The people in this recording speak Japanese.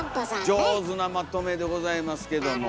上手なまとめでございますけども。